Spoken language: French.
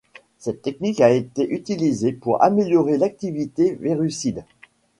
Cette technique a été utilisée pour améliorer l'activité virucide.